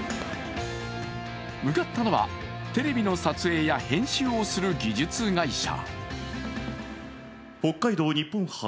向かったのはテレビの撮影や編集をする技術会社。